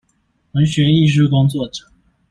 文學藝術工作者